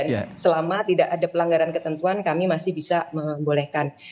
karena tidak ada pelanggaran ketentuan kami masih bisa membolehkan